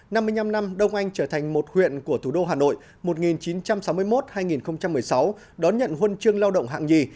năm mươi năm năm đông anh trở thành một huyện của thủ đô hà nội một nghìn chín trăm sáu mươi một hai nghìn một mươi sáu đón nhận huân chương lao động hạng nhì